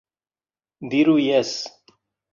Diru jes!